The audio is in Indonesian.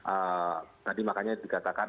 eh tadi makanya dikatakan